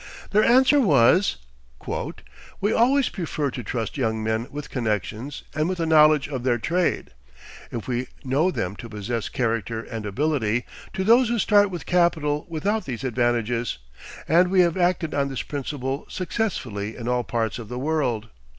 Their answer was: "We always prefer to trust young men with connections and with a knowledge of their trade, if we know them to possess character and ability, to those who start with capital without these advantages, and we have acted on this principle successfully in all parts of the world."